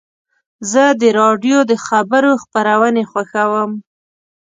زه د راډیو د خبرو خپرونې خوښوم.